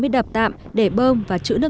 ba trăm tám mươi đập tạm để bơm và chữ nước